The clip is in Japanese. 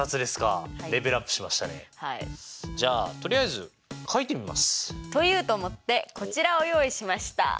じゃあとりあえず書いてみます！と言うと思ってこちらを用意しました。